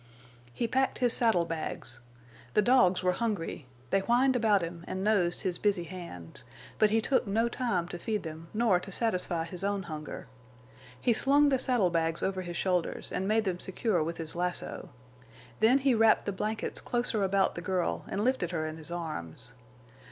He packed his saddle bags. The dogs were hungry, they whined about him and nosed his busy hands; but he took no time to feed them nor to satisfy his own hunger. He slung the saddlebags over his shoulders and made them secure with his lasso. Then he wrapped the blankets closer about the girl and lifted her in his arms.